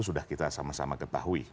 sudah kita sama sama ketahui